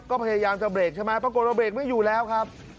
ก็พยายามจะเบรกใช่ไหมปรากฏว่าเบรกไม่อยู่แล้วครับ